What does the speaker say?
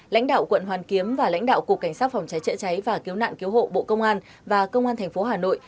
lãnh đạo quận hoàn kiếm và lãnh đạo cục cảnh sát phòng cháy chữa cháy và cứu nạn cứu hộ bộ công an và công an tp hà nội